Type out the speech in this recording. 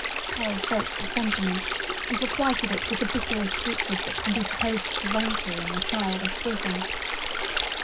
Pearl felt the sentiment, and requited it with the bitterest hatred that can be supposed to rankle in a childish bosom.